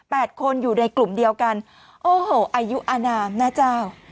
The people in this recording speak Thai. คนอยู่ในกลุ่มเดียวกันโอ้โหอายุอนามนะเจ้า